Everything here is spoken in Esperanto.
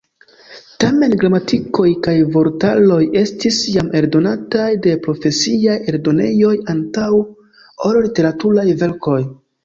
Tamen gramatikoj kaj vortaroj estis jam eldonataj de profesiaj eldonejoj antaŭ ol literaturaj verkoj.